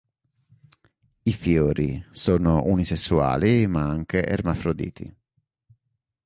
I fiori sono unisessuali ma anche ermafroditi.